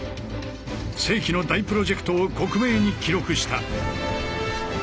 世紀の大プロジェクトを克明に記録した。